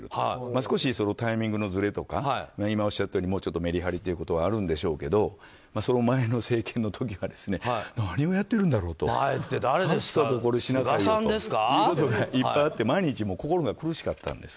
少しタイミングのずれとか見直しとかもうちょっとメリハリというのはあるんでしょうけどその前の政権の時は何をやってるんだろうと。さっさとしなさいよということがいっぱいあって毎日心が苦しかったんです。